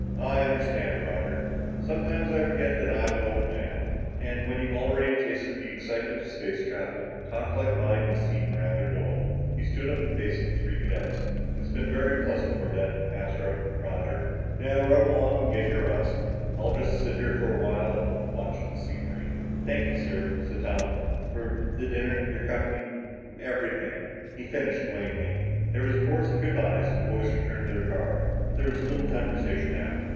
"I understand, Roger. Sometimes I forget that I'm an old man. And when you've already tasted the excitement of space travel, talk like mine must seem rather dull." He stood up and faced the three cadets. "It's been very pleasant, Corbett, Astro, Roger. Now run along and get your rest. I'll just sit here for a while and watch the scenery." "Thank you, sir," said Tom, "for the dinner your company and everything," he finished lamely. There was a chorus of good byes and the boys returned to their car. But there was little conversation now.